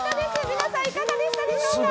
皆さん、いかがでしたでしょうか？